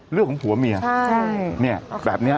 เรื่องของผัวเมียแบบนี้